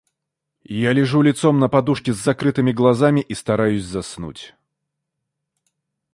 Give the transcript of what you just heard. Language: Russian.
Я лежу лицом на подушке с закрытыми глазами и стараюсь заснуть.